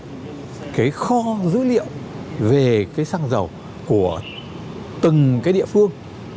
xây dựng được cái kho dữ liệu về cái xăng dầu của từng cái địa phương